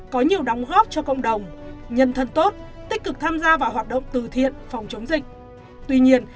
có nhiều đóng góp cho cộng đồng nhân thân tốt tích cực tham gia vào hoạt động từ thiện phòng chống dịch tuy nhiên